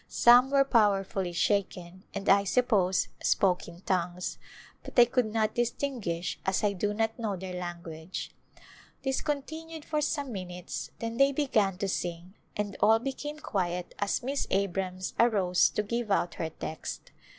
Some were powerfully shaken and, I suppose, spoke in tongues, but I could not distinguish as I do not know their language. This continued for some minutes then they began to sing and all became quiet as Miss Abrams arose to give out her text.